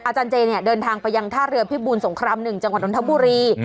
อาจารย์เจเนี่ยเดินทางไปยังท่าเรือพิบูลสงคราม๑จังหวัดนทบุรี